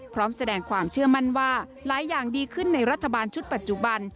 พร้อมแสดงความเชื่อมั่นว่าหลายอย่างดีขึ้นในรัฐบาลชุดปัจจุบัน